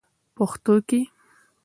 پښتو کې: